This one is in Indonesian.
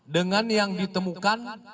dengan yang ditemukan